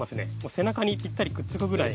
背中にぴったりくっつくぐらい